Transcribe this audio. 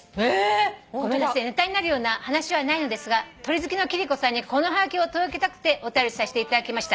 「ネタになるような話はないのですが鳥好きの貴理子さんにこのはがきを届けたくてお便りさせていただきました」